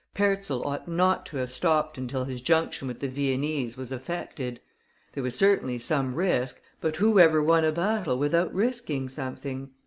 Perczel ought not to have stopped until his junction with the Viennese was affected. There was certainly some risk, but who ever won a battle without risking something?